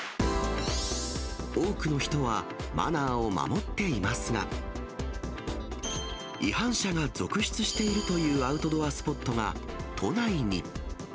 多くの人は、マナーを守っていますが、違反者が続出しているというアウトドアスポットが都内に。